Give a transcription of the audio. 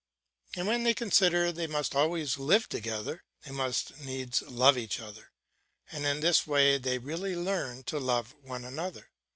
But when they consider they must always live together, they must needs love one another, and in this way they really learn to love one another.